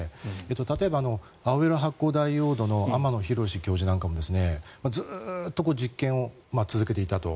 例えば青色発光ダイオードの天野浩教授なんかもずっと実験を続けていたと。